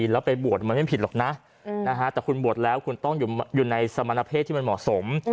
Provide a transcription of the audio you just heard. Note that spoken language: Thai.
แล้วไปบวชมันไม่ผิดหรอกนะแต่คุณบวชแล้วคุณต้องอยู่ในสมณเพศที่มันเหมาะสม